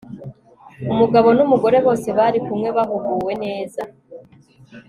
umugabo numugore bose bari kumwe bahuguwe neza